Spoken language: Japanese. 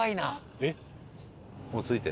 えっ？